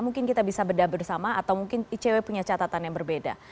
mungkin kita bisa bedah bersama atau mungkin icw punya catatan yang berbeda